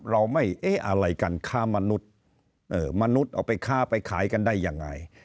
เราไม่เอ๊ะอะไรกันค้ามนุษย์มนุษย์เอาไปค้าไปขายกันได้ยังไง